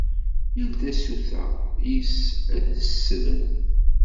Yal tasuta yes-s ad d-as slen.